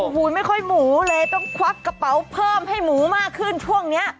โอ้โหไม่ค่อยหมูเลยต้องควักกระเป๋าเพิ่มให้หมูมากขึ้นช่วงนี้